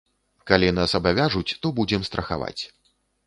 Калі нас абавяжуць, то будзем страхаваць.